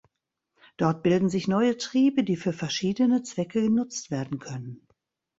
Dort bilden sich neue Triebe, die für verschiedene Zwecke genutzt werden können.